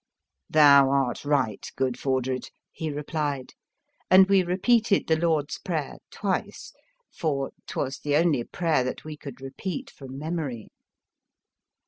"" Thou art right, good Fordred," he replied; and we repeated the Lord's Prayer twice, for 'twas the only prayer that we could repeat from memory.